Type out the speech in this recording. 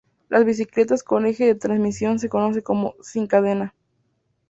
Las bicicletas con eje de transmisión se conocen como "sin cadena".